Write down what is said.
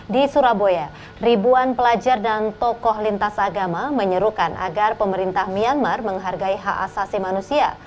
di surabaya ribuan pelajar dan tokoh lintas agama menyerukan agar pemerintah myanmar menghargai hak asasi manusia